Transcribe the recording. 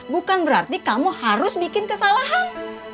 bukan berarti kamu harus bikin kesalahan